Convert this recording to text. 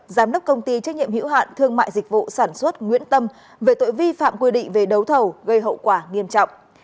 giám đốc công ty trách nhiệm hữu hạn thương mại dịch vụ sản xuất nguyễn tâm về tội vi phạm quy định về đấu thầu gây hậu quả nghiêm trọng